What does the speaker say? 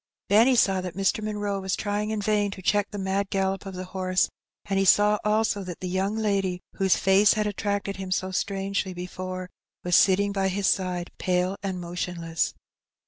Benny saw that Mr. Munroe was trying in vain to check the mad gallop of the horse, and he saw also that the young lady whose face had attracted him so strangely before was sitting by his side, pale and motionless.